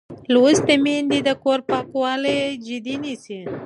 لوستې میندې د کور پاکوالی جدي نیسي.